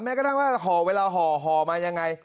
แม้ก็นั่งว่าเวลาห่อห่อมายังไง